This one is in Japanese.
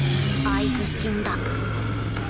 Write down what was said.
あいつ死んだ